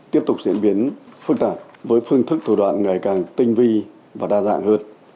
tiếp tục diễn biến phức tạp với phương thức thủ đoạn ngày càng tinh vi và đa dạng hơn